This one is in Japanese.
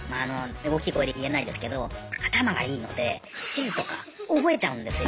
大きい声で言えないですけど頭がいいので地図とか覚えちゃうんですよ